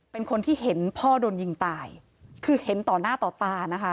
เป็นคนที่เห็นพ่อโดนยิงตายคือเห็นต่อหน้าต่อตานะคะ